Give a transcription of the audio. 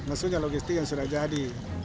maksudnya logistik yang sudah jadi